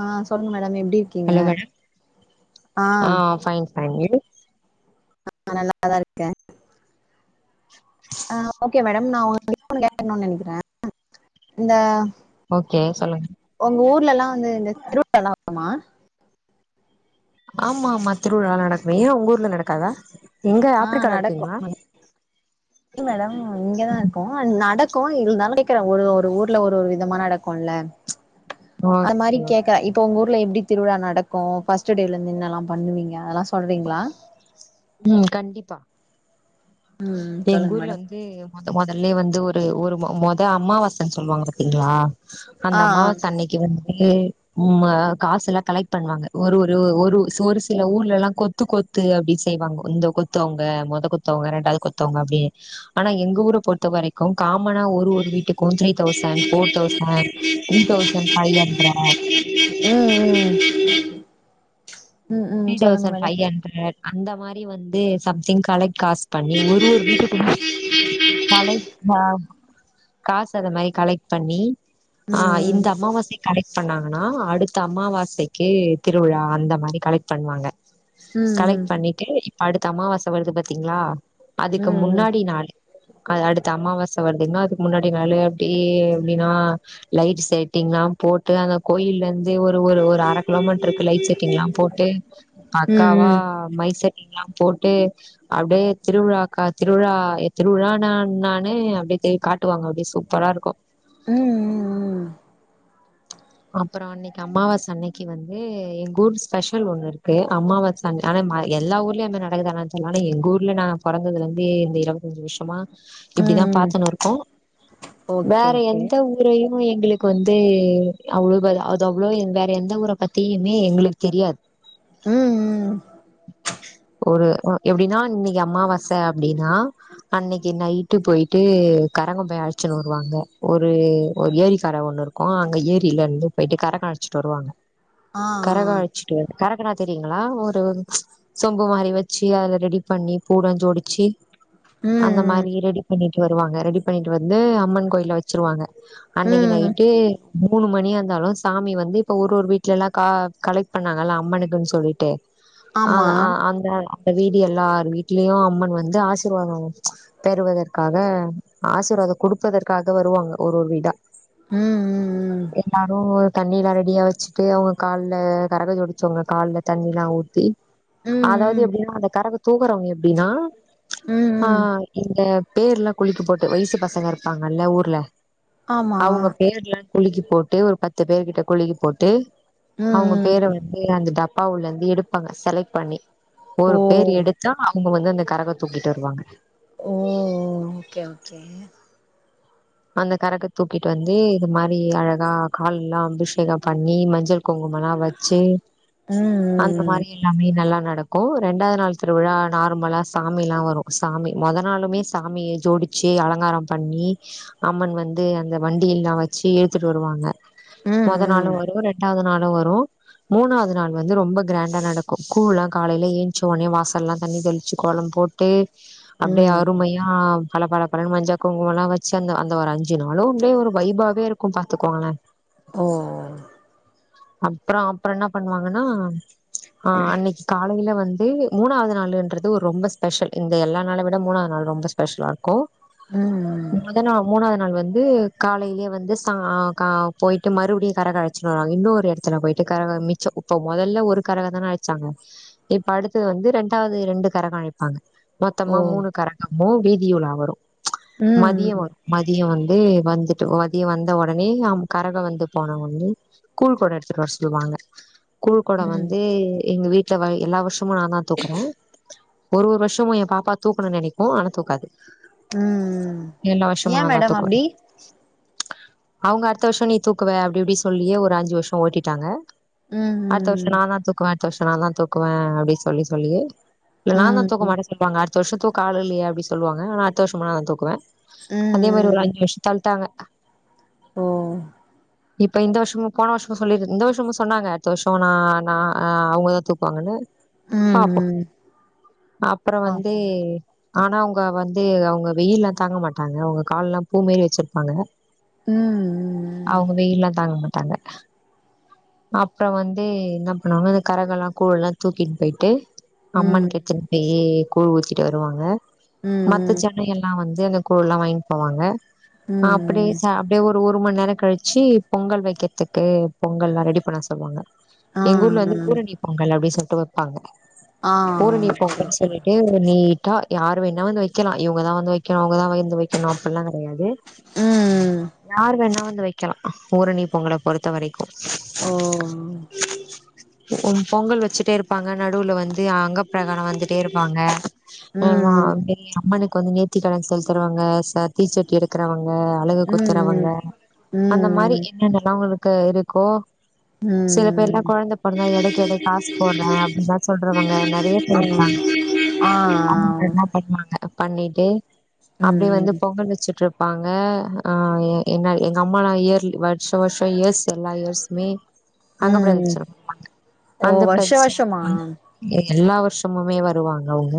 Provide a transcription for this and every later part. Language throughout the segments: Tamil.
ஆ சொல்லுங்க மேடம் எப்டி இருக்கீங்க ஹலோ மேடம் ஆ ஃபைன் ஃபைனு ஆ நல்லா தா இருக்க ஆ ஓக்கே மேடம் நா உங்ககிட்ட ஒன்னு கேக்கணும்னு நெனக்கிறே ம் இந்த ஓக்கே சொல்லுங் உங்க ஊர்ல எல்லா வந்து இந்த திருவிழா எல்லா வருமா ஆமா ஆமா திருவிழா எல்லா நடக்கு ஏன் உங்க ஊர்ல நடக்காதா எங்க ஆ ஆப்பிரிக்கால நடக்கு இருக்கீங்ளா இல்ல மேடம் இங்க தா இருக்கோ அ நடக்கும் இருந்தாலு கேக்குறே ஒரு ஒரு ஊர்ல ஒரு ஒரு விதமா நடக்கும்ல்ல அது மாறி ஓகே கேக்க இப் போ உங்க ஊர்ல எப்டி திருவிழா நடக்கும் ஃபர்ஸ்ட் டேல இருந்து என்னலா பண்ணுவீங்க அதெல்லா சொல்கிறீங்ளா ம் கண்டிப்பா ம் எங்க சொல்லுங்க ஊர்ல மேடம் வந்து முத மொதல்லயே வந்து ஒரு மொத அம்மாவாசன்னு சொல்லுவாங்க பாத்திங்ளா ஆ அந்த ஆ அம்மாவாச அன்னைக்கு வந்து உம்மா காசு எல்லா கலெக்ட் பண்ணுவாங்க ஒரு ஒரு ஒரு ஒரு சில ஊர்ல எல்லா கொத் த்து கொத்து அப்டி செய்வாங்க இந்த கொத்து அவங்க மொத கொத் அவங்க ரெண்டாவது கொத் த்தவங்க அப்டியே ஆனா எங்க ஊர பொறுத்த வரை க்கு காமனா ஒரு ஒரு வீட்டுக்கும் three thousand four thousand three thousand five hundred um um three thousand five hundred அந்த மாறி வந்து சம்திங் கலேக்ட் காசு பண்ணி ஒரு ஒரு வீட்டுக்கும் [unintelligible] மா காசு அந்த மாறி கலெக்ட் பண்ணி ஆ ம் இந்த அம்மாவாசை கலெக்ட் பண்ணாங்கன்னா அடுத்த அமாவாசைக்கு திருவிழா அந்த மாறி கலெக்ட் பண்ணுவாங்க ம் கலெக்ட் பண்ணிட்டு இப்ப அடுத்த அம்மாவாச வருது பாத்தீங்ளா அதுக்கு ம் ம் முன்னாடி நாள் அ அடுத்த அமாவாச வருது அப்டின்னா அதுக்கு முன்னாடி நாளு அப்டியே எப்டின்னா லைட் செட்டிங்லா போட்டு அந்த கோயில இருந்து ஒரு ஒரு ஒரு அர கிலோ மீட்டருக்கு லைட் செட்டிங் எல்லா போட் டு ம் பக்காவா ம் மைக் செட்டிங் எல்லா போட்டு அப்டியே திருவிழாக்கா திருவிழா திருவிழா நா நானே அப்டியே காட் டுவாங்க அப்டியே சூப்பரா இருக்கும் உம் உம் உம் அப்பறோ அன்னைக்கு அம்மாவாச அன்னைக்கு வந்து எங்க ஊர் ஸ்பெஷல் ஒண்ணு இருக்கு அம்மாவாச தங் ஆனா மா எல்லா ஊர்லயே அந்தமாறி நடக் க்குதான தெர்ல ஆனா எங்க ஊர்ல நா பொறந்ததுல இருந்தே இந்த இருபத்தஞ்சு வருஷமா இப்டி தா பாத்துன்னு இருக்கோ ஓக்கே வேற எந்த ஊரையு எங்களுக்கு வந்து அவ்ளோகாது அது அவ்ளோ வேற எந்த ஊரை பத்தியுமே எங்களுக்கு தெரியாது ம் ம் ஒரு அ எப்டின்னா இன்னைக்கு அம்மாவாச அப்டின்னா அன்னைக்கு நைட்டு போயுட்டு கரங்கம்போய் அடிச்சுன்னு வருவாங்க ஒரு ஒரு ஏரி கர ஒண்ணு இருக்கு ஆ அங்க ஏரில இருந்து போயுட்டு கரகம் அழச்சுட்டு வருவாங்க ஆ ஆ கரக அழச்சுட்டு கரகம்னா தெரியுங்களா ஒரு சொம்பு மாரி வெச்சு அதுல ரெடி பண்ணி பூ லா ஜோடிச்சி அந்த ம் மாரி ரெடி பண்ணிட்டு வருவாங்க ரெடி பண்ணிட்டு வந்து அம்மன் கோயில்ல வச்சிருவாங்க ம் அன்னக்கீ ம் நைட்டு மூணு மணியாந்தாலு சாமி வந்து இப்போ ஒரு ஒரு வீட்லலா கலெக்ட் பண்ணாங்கல்ல அம்மனுக்கு சொல்லி ட்டு ஆ ஆமா ஆ அந்த அந்த வீடு எல்லா வீட்லயு அம்மன் வந்து ஆசிர்வாதம் வாங் பெறுவதற்காக ஆசீர்வாதோ குடுப்பதற்காக வருவாங்க ஒர் ஒரு வீடா ம் ம் எல்லாரு தண்ணி எல்லா ரெடியா வச்சுட்டு அவங்க கால்ல கரகோ ஜோடிச்சவங்க கால்ல தண்ணில்லா ஊத்தி ம் அதாது ம் எப்டின்னா அந்த கரகோ தூக்குறவங்க எப்டின்னா ம் ஆ ம் இந்த பேர்லா குலிக்கீ போட்டு வய்சு பசங்க இருப்பாங்கல்ல ஊர்ல ஆமா அவங்க பேர்லா குலுக்கி போட்டு ஒரு பத்து பேரு கிட்ட குலுக்கி போட்டு ம் அவுங்க பேர ம் வந்து அந்த டப்பாவுள்ள இருந்து எடுப்பாங்க செலக்ட் பண்ணி ஒரு ஓ பேர் எடுத்தா இவுங்க வந்து அந்த கரகோ தூக்கிட்டு வருவாங்க ஓ ஓகே ஓகே அந்த கரக தூக்கிட்டு வந்து இது மாரி அழகா கால்லா அபிஷேகம் பண்ணி மஞ்சள் குங்குமலா வச்சு அந்த ம் மாரி எல்லாமே நல்லா நடக் க்கு ரெண்டாது நாள் திருவிழா நார்மலா சாமிலா வரு சாமி மொத நாளுமே சாமி ஜோடி ச்சி அலங்காரம் பண்ணி அம்மன் வந்து அந்த வண்டியில்லா வச்சி இழுத்துட்டு வருவாங்க ம் மொத நாளு ம் வருவோ ரெண்டாது நாளும் வருவோ மூணாவ்து நாள் வந்து ரொம்ப கிராண்டா நடக்கு கூழ்லா காலைல ஏஞ்ச்சு ஒன்னே வாசல்லா தண்ணி தெளிச்சி கோலம் போட்டு ம் அப்டியே ம் அருமையா பல பல பலன்னு மஞ்ச குங்குமலா வச் ந்த அந்த ஒரு அஞ்சு நாளும் அப்டியே ஒரு வைபாவே இருக்கும் பாத்துக்கோங்களே ஓ அப்றோ அப்றோ என்ன பண்ணுவாங்கன்னா ஆ அன்னக்கி காலைல வந்து மூணாவ்து நாள்ன்றது ஒரு ரொம்ப ஸ்பெஷல் இந்த எல்லா நாள விட மூணாது நாள் ரொம்ப ஸ்பெஷலா இருக்கு ம் ம் மொத நாள் மூணாது நாள் வந்து காலைலே வந்து சா கா போயிட்டு மறுபடியு கரகோ அழச்சுனு வருவாங்க இன்னோர் எடத்துல போயிட்டு கரகோ மிச்சோ இப்ப மொதல்ல ஒரு கரகோ தான அழச்சாங்கோ இப்ப அடுதது வந்து ரெண்டாவது ரெண்டு கரகம் அழைப்பாங்க ஓ மொத்தமா மூணு கரகமு வீதியுலா வரு ம் மதியோ ம் வரு மதியோ வந்து வந்துட்டு மதியோ வந்த ஒடனே கரகோ வந்து போன ஒன்னே கொட எடுத்துட்டு வர சொல்வாங்க கூழ் கொட ம் ம் ம் வந்து எங்க வீட் டுல வை எல்லா வருஷமு நா தா தூக்குறே ஒரு ஒரு வருஷமு ஏ பாப்பா தூக்கணு நெனக்கு ஆனா தூக்காது ம் எல்லா ஏ வருஷமு நாந்தா மேடம் தூக்குவே அப்டி அவுங்க அடுத்த வருஷோ நீ தூக்குவ அப்டி இப்டி சொல்லியே ஒரு அஞ்சு வருஷோ ஓட்டிட்டாங்க ம் அடுத்த வர்ஷோ ம் நா தா தூக்குவே அடுத்த வருஷோ நா தா தூக்குவேன் அப்டி சொல்லி சொல்லியே இல்ல நான் தா ம் ம் தூக்க ம் மாட்டே சொல்வாங்க அடுத்த வருஷோ தூக்க ஆள் இல்லயே அப்டி சொல்வாங்க ஆனா அடுத்த வருஷமு நான் தா தூக்குவே அதே மாரி ஒரு ம் அஞ்சு வர்ஷோ தள்டாங்க ஓ இப்ப இந்த வருஷமு போன வருஷ் சொல்லி இந்த வருஷமு சொன்னாங்க அடுத்த வருஷமு நா நா அவங்கதா தூக்குவாங்கன்னு ம் பாப்போ ம் அப்புற வந்து பாப்போங்க ஆனா அவங்க வந்து அவங்க வெயில்லா தாங்க மாட்டாங்க அவங்க கால்லா பூ மாரி வச்சிருப்பாங்க ம் அவங்க வெயில்லா தாங்க மாட்டாங்க அப்பறோ வந்து என்ன பண்ணுவாங்க அந்த கரகெல்லா கூழ் எல்லா தூக்கிட்டு போயிட்டு ம் அம்மனுக்கு எத்துனு போய் கூழ் ஊத்திட்டு வருவாங்க ம் மத்த ம் ஜன எல்லா வந்து அந்த கூழுல்லா வாங்கின் போவாங்க அ அப்டியே ம் ச அப்டியே ஒரு ஒரு மண் நேர கழிச்சி பொங்கல் வெக்கிறதுக்கு பொங்கல்லா ரெடி பண்ண சொல்வாங்க ஆ எங்கூர்ல ஆ வந்து பூரணி பொங்கல் அப்டின் சொல்ட்டு வெப்பாங்க ஆ பூரணி ஓகே பொங்கல்னு ஓகே மேடம் சொல்லிட்டு நீட்டா யாரு வேணா வந்து வெக்கலா இவங்கதா வந்து வெக்கணு அவங்கதா வந்து வெக்கணு அப்பில்லா கெடையாது ம் யார் வேணா வந்து வெக்கலா பூரணி பொங்கல பொறுத்த வரை ஓ உம் பொங்கல் வச்சுட்டே இரு ப்பாங்க நடுவுல வந்து அங்கப்பிரகாணோ வந்துட்டே இருப்பாங்க ஆ ம் அப்டியே அம்மனுக்கு வந்து நேத்திக்கடன் செலுத்துறவங்க ச தீச்சட்டி எடுக்கறாங்க அழகு ம் குத்துறவங்க ம் அந்த மாறி என்னென்னல்லா அவங்களுக்கு இருக்கோ சில பேர்லா ம் கொழந்த பொறந்தா எடைக்கு எடை காசு போடுறே அப்படில்லா சொல்றவங்க நெறையா பேர் இருக்காங்க ஆ ஆ தன்யா பண்வாங்க பண்ணிட்டு அப்டியே வந்து ம் பொங்கல் வச்சுட்டுருப்பா இருப்பாங்க ஆ எ என்ன எங்க அம்மா நா இயர்லி வருஷோ வருஷோ இயர்ஸ் எல்லா இயர்சுமே அங்க ம் பிரதச்சனம் பண்ணுவாங்க ஓ அங்க வருஷ பிரதச்சனம் வருஷமா எல்லா வருஷமுமே வருவாங்க அவங்க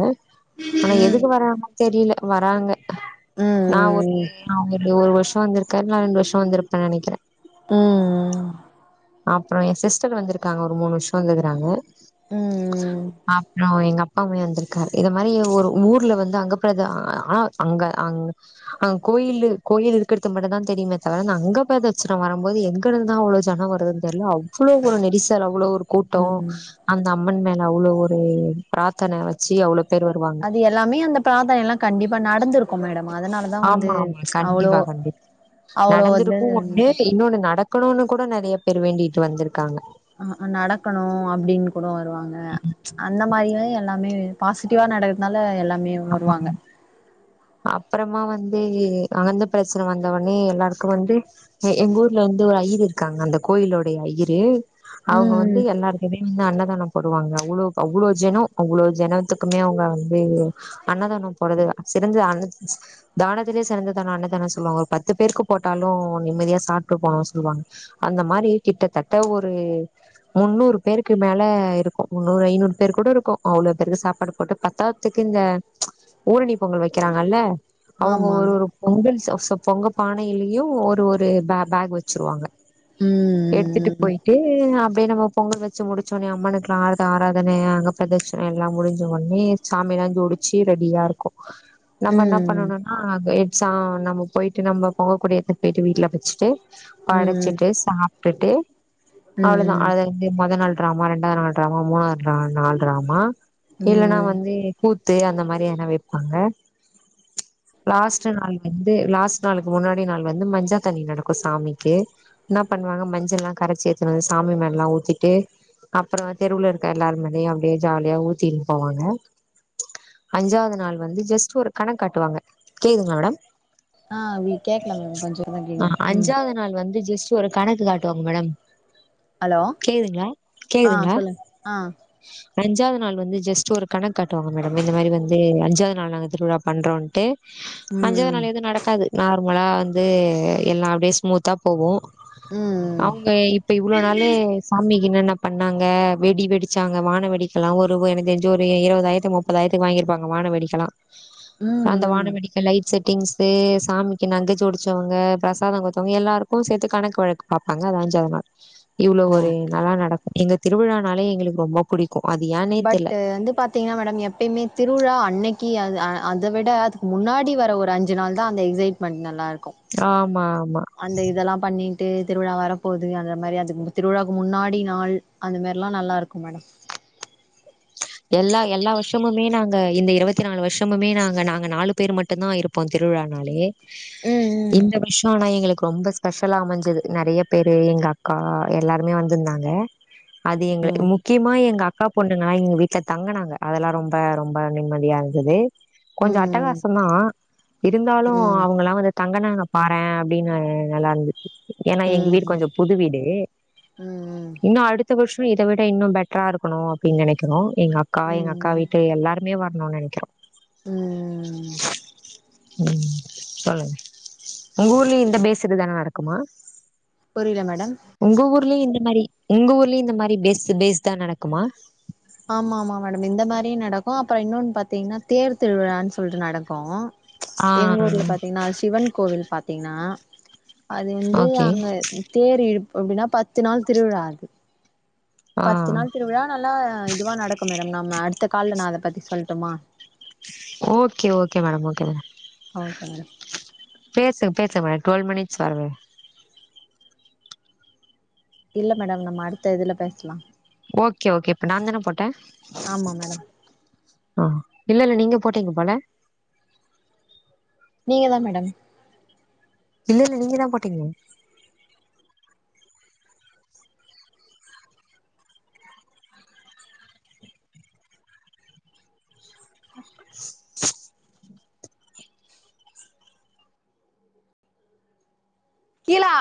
ஆனா ம் எதுக்கு வராங்கன்னு தெரியல வராங்க நா ஒரு ம் ஒரு ஒரு வருஷோ வந்திருக்க இல்ல ரெண்டு வருஷோ வந்திருப்பேன்னு நெனைக்கிறே உம் உம் அப்புறோ எ சிஸ்டர் வந்திருக்காங்க ஒரு மூணு வருஷோ வந்துருக்குறாங்க அப்புறோ எங்க அப் அப்பவுமே வந்திருக்குராரு இத மாரி ஒரு ஊர்ல வந்து அங்கப்புறத ஆனா அங்க அங்க அங்க கோயில்லு கோயில்ல இருக்கறது மட்டுந்தா தெரியுமே தவிர அங்க பிரச்சனம் வரும்போது எங்க இருந்துதா அவ்வளோ ஜனோ வர து தெரியல அவ்வளவு ஒரு நெரிசல் அவ்வளவு ஒரு கூட்டோ ம் அந்த அம்மன் மேல அவ்வளோ ஒரு பிராத்தன வச்சு அவ்ளோ பேரு வருவாங்க அது எல்லாமே அந்த பிரார்த்தனே எல்லா கண்டிப்பா நடந்திருக்கு மேடம் அதனாலதா ஆமா வந்து ஆமா கண்டிப்பா அவ்ளோ கண்டிப்பா அவ்ளோ வந்து நடந்திருக்கு ஒண்ணு நடக்குது இன்னொன்னு நடக்கணுனு கூட நெறைய பேர் வேண்டிட்டு வந்திருக்காங்க ஆ நடக்கணு அப்படின்னு கூட வருவாங்க ம்ச் அந்த மாரியே எல்லாமே பாசிட்டிவா நடக்கிறதுனால எல்லா ஆமா அப்புறமா வந்து அங்கந்து பிரச்சன வந்தவுனே எல்லாருக்கு வந்து எங்க ஊர்ல வந்து ஒரு ஐயர் இருக்காங்க அந்த கோயிலுடைய ஐயரு அவங்க ம் வந்து ம் எல்லாருக்குமே வந்து அன்னதானோ போடு வாங்க அவ்ளோ அவ்வளோ ஜனோ அவ்வளோ ஜனத்துக்குமே அவங்க வந்து அண்ணதானே போறது சிறந்த அண்ணத் தானத்திலயே சிறந்த தானோ அண்ணதானோனு சொல்லுவாங்க ஒரு பத்து பேருக்கு போட்டாலு நிம்மதியா சாப்ட்டு போணுனு சொல்லுவாங்க அந்த மாரி கிட்டத்தட்ட ஒரு முன்னூறு பேருக்கு மேல இருக்கு முன்னூறு ஐநூறு பேர் கூட இருக்கு அவ்வளோ பேருக்கு சாப்பாடு போட்டு பத்தாததுக்கு இந்த ஊரணி பொங்கல் வைக்கிறாங்கல்ல அவுங்க ஆமா ஒரு ஒரு பொங்கல் சோ சோ பொங்க பானையிலயு ஒரு ஒரு பே பேக் வச்சிருவாங்க ம் எடுத்துட்டு ம் போயிட்டு அப்டியே நம்ம பொங்கல் வெச்சு முடிச்சோன்னே அம்மனுக்கும் ஆறுத ஆராதனை அங்க பிரதச்ஷனம் எல்லா முடிஞ்ச ஒன்னே சாமிலா ஜோடிச்சு ரெடியாருக்கும் நம்ம என்ன பண்ணனுனா அங்க எத் சா நம்ம போயிட்டு நம்ம பொங்க கூடய எத்துட் போயிட்டு வீட்ல வெச் ச்சு ம் படச்சிட்டு சாப்ட்டுட்டு அவ்ளோதா ம் மொத நாள் டிராமா ரெண்டாவ் நாள் டிராமா மூணாவ் நாள் டிராமா இல்லன்னா ம் வந்து கூத்து அந்த மாரி என்னா வெப்பாங்க லாஸ்ட்டு நாள் வந் ந்து லாஸ்ட் நாளுக்கு முன்னாடி நாள் வந்து மஞ்சா தண்ணி நடக்கும் சாமிக்கு இன்னா பண்ணுவாங்க மஞ்சள்லா கரச்சி எத்துனு வந்து சாமி மேல்லா ஊத்திட்டு அப்புறோ தெருவ்ல இருக்க எல்லார்மேலயும் அப்டியே ஜாலியா ஊத்தின் போவாங்க அஞ்சாவ்து நாள் வந்து ஜஸ்ட்டு ஒரு கணக் காட்டுவாங்க கிலியுதுங்ளா மேடம் ஆ கேக்ல மேடம் கொஞ்சோ தா ஆ கேக்குது ம் அஞ்சாவது நாள் வந்து ஜஸ்ட் ஒரு கணக்கு காட்டுவாங்க மேடம் ஹலோ கேக்குதுங்ளா ஆ கேக்குதுங்ளா சொல்லுங்க ஆ அஞ்சாவ்து நாள் வந்து ஜஸ்ட்டு ஒரு கணக்கு காட்டுவாங்க மேடம் இந்த மாரி வந்து ஓ அஞ்சாவ்து நாள் நாங்க திருவிழா பண்றோன்ட்டு அஞ்சாவ்து ம் நாள் எதுவும் நடக்காது நாரு மொத நாள் வந்து எல்லா அப்டியே ஸ்மூத்தா போவோ ம் ம் அவுங்க இப்ப இவ்ளோ நாளு சாமிக்கு என்னென்ன பண்ணாங்க வெடி வெடிச்சாங்க வான வெடிக்கலா வருவு எனக்கு தெரிஞ்சி ஒரு இருவ வதாயரத்துக் முப்பதாயிரத்துக் வாங்கிருப்பாங்க வான வேடிக்கலா ம் அந்த ம் வானவெடிக்க லைட் செட் திங்ஸ்சு சாமிக்கு நகஜோடிச்சவங்க பிரசாதம் குடுத்தவங்க எல்லாருக்கும் சேத்து கணக்கு வழக்கு பாப்பாங்க அதா அஞ்சாவ்து நாள் இவ்ளோ ஒரு ஓகே நல்லா நடக்கும் எங்க திருவிழானாலே எங்களுக்கு ரொம்ப புடிக் கு அது ஏன் பட்டு வந்து பாத் த்திங்ன்னா மேடம் எப்பயுமே திருவிழா அன்னைக்கு அத விட அதுக்கு முன்னாடி வர ஒரு அஞ்சு நாள் தா அந்த எக்ஸைட் மண்ணலா இருக்கும் ஆமா ஆமா அந்த இதெல்லா பண்ணிட்டு திருவிழா வரப்போது அந்த மாரி அதுக்கு திருவிழாக்கு முன்னாடி நாள் அந்த மாரிலா நல்லா இருக்கும் மேடம் எல்லா எல்லா வருஷமுமே நாங்க இந்த இருவத்தி நாலு வருஷமுமே நாங்க நாங்க நாலு பேரு மட்டும்தா இருப் ப்போம் திருவிழானாலே ம் இந்த வ ர்ஷோ தா எங்களுக்கு ரொம்ப ஸ்பெஷலா அமஞ்சது நறைய பேரு எங்க அக்கா எல்லாருமே வந்திருந்தாங்க அது எங்கள ம். முக்கியமா எங்க அக்கா பொண் ணு எங்க வீட்ல தங்கனாங்க அதெல்லா ரொம்ப ரொம்ப நிம்மதியா இருந்தது கொஞ்சோ ம் அட்டகாசம் தா இருந்தாலு ம் அவங்கலா வ தங்கனாங்க பாறே அப்டின்னு நல்லா இருந்து ஏன்னா ம் எங்க வீடு ம் கொஞ்சோ புது வீடு ம் இன்னு அடுத் த்த வருஷம் இத விட இன்னும் பெட்ரா இருக்கணும் அப்டின் நெனைக்கணும் எங்க அக்கா ம் எங்க அக்கா ம் வீட்டு எல்லாருமே வர்னோ நெனைக்கிறோம் ம் ம் ம் உங்க ஊர்லயும் இந்த பேஸ் இது தா நடக்குமா புரில மேடம் உங்க ஊர்லயு இந்த மாரி உங்க ஊர்லயு இந்த மாரி பேஸு பேஸ்தா நடக்குமா ஆமா ஆமா மேடம் இந்த மாரியே நடக் கு அப்புறோ இன்னொன் பாத்தீங்னா தேரு திருவிழான் சொல்ட்டு நடக்கு ஆ எங்க ஊர்ல பாத்தீங்னா சிவன் கோவில் பாத்தீங்னா அது வந்து ஓகே அங்க தேர் இழுப்பு அப்டினா பத்து நாள் திருவிழா இர்க்கு ஆ பத்து நாள் திருவிழா நல்லா இதுவா நடக்கு மேடம் நம்ம அடுத்த கால்ல நான் அத பத்தி சொல்ட்டுமா okay okay madam okay madam okay madam பேசுங்க பேசுங்க மேடம் டொல் மினிட்ஸ் வரவ இல்ல மேடம் நம்ம அடுத்த இதுல பேஸ்லா ஓகே ஓகே இப்ப நான் தான போட்ட ஆமா மேடம் அ இல்ல இல்ல நீங்க போட்டீங்க போல நீங்கதா மேடம் இல்ல இல்ல நீங்கதா போட்டீங்க கீழா